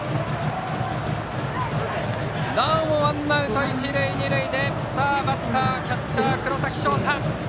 なおもワンアウト一塁二塁でさあ、バッターはキャッチャーの黒崎翔太。